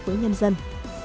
đảng bộ tỉnh thái bình